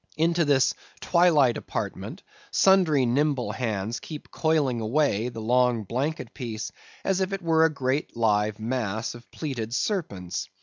Into this twilight apartment sundry nimble hands keep coiling away the long blanket piece as if it were a great live mass of plaited serpents.